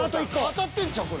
当たってんちゃう？